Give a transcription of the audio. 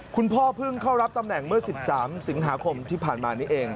เพิ่งเข้ารับตำแหน่งเมื่อ๑๓สิงหาคมที่ผ่านมานี้เอง